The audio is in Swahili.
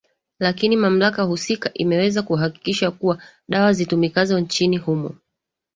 lakini mamlaka husika imeweza kuhakikisha kuwa dawa zitumikazo nchini humo